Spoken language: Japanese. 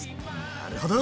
なるほど！